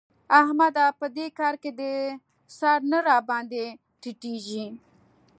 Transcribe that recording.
احمده! په دې کار کې دي سر نه راباندې ټيټېږي.